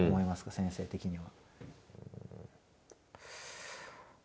先生的には。